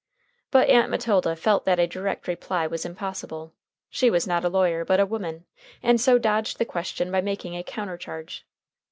But Aunt Matilda felt that a direct reply was impossible. She was not a lawyer but a woman, and so dodged the question by making a counter charge.